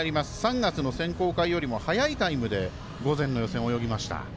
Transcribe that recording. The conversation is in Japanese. ３月の選考会よりも早いタイムで午前の予選を泳ぎました。